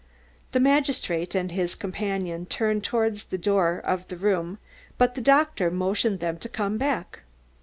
The magistrate and his companion turned towards the door of the room but the doctor motioned them to come back.